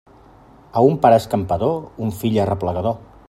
A un pare escampador, un fill arreplegador.